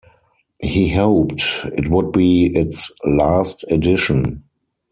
He hoped it would be its last edition.